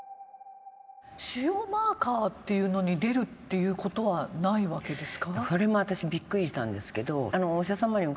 腫瘍マーカーというのに出るということはないわけですか。